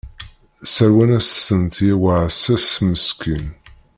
Sseṛwan-as-tent i uɛessas meskin.